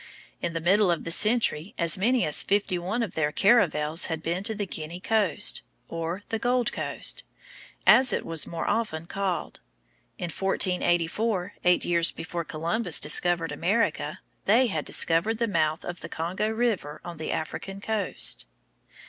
In the middle of the century as many as fifty one of their caravels had been to the Guinea coast, or the Gold Coast, as it was more often called. In 1484, eight years before Columbus discovered America, they had discovered the mouth of the Kongo River on the African coast.